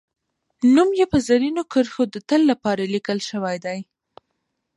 نوم یې په زرینو کرښو د تل لپاره لیکل شوی دی